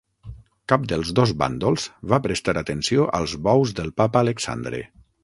Cap dels dos bàndols va prestar atenció als bous del papa Alexandre.